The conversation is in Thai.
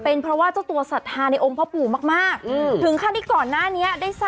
โอ้โพย